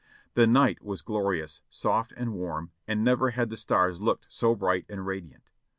The night was glorious, soft and warm, and never had the stars looked so bright and ra diant.